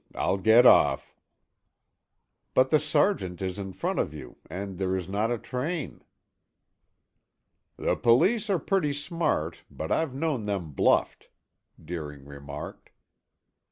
I'll get off." "But the sergeant is in front of you and there is not a train." "The police are pretty smart, but I've known them bluffed," Deering remarked.